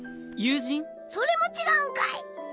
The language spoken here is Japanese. それも違うんかい！